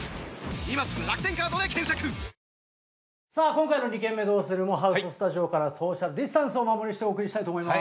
今回の「二軒目どうする？」もハウススタジオからソーシャルディスタンスをお守りしてお送りしたいと思います。